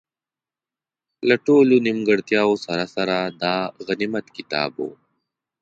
له ټولو نیمګړتیاوو سره سره، دا غنیمت کتاب وو.